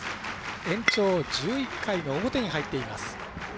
延長１１回の表に入っています。